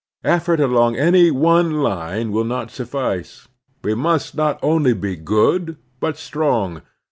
Effort along any one line will not suffice. We must not only be good, but strong.